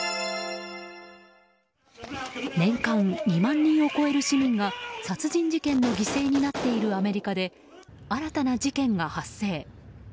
年間２万人を超える市民が殺人事件の犠牲になっているアメリカで新たな事件が発生。